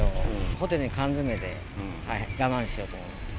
ホテルに缶詰めで、我慢しようと思います。